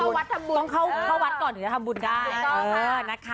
ก็ทำปรุง